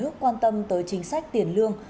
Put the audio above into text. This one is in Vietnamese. cảm ơn các bạn